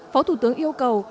phó thủ tướng yêu cầu